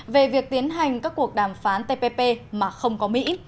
về việc tiến hành các cuộc đàm phán tpp mà không có mỹ